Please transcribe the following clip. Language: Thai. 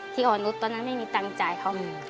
ที่อ่อนรุษตอนนั้นไม่มีตังค์จ่ายเขา